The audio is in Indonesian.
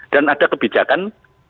dan ada kebijakan